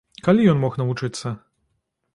Калі ён мог навучыцца?